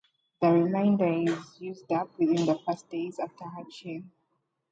The remainder is used up within the first days after hatching.